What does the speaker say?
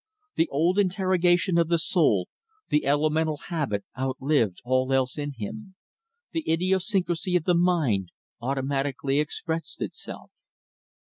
The old interrogation of the soul, the elemental habit outlived all else in him. The idiosyncrasy of the mind automatically expressed itself.